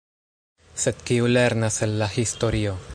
Sed kiu lernas el la historio?